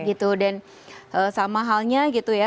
gitu dan sama halnya gitu ya